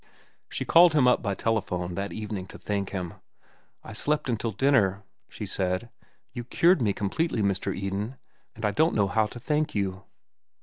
She called him up by telephone that evening to thank him. "I slept until dinner," she said. "You cured me completely, Mr. Eden, and I don't know how to thank you."